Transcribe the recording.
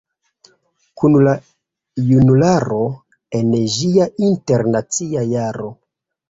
Kun la junularo, en ĝia Internacia Jaro...".